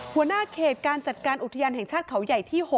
หัวหน้าเขตการจัดการอุทยานแห่งชาติเขาใหญ่ที่๖